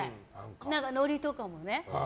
ノリとかも。